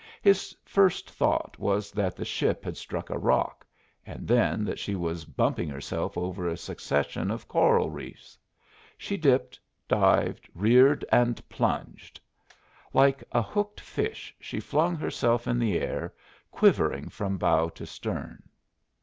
His first thought was that the ship had struck a rock, and then that she was bumping herself over a succession of coral reefs. She dipped, dived, reared, and plunged. Like a hooked fish, she flung herself in the air, quivering from bow to stern.